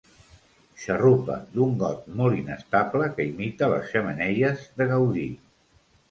Xarrupa d'un got molt inestable que imita les xemeneies de Gaudí.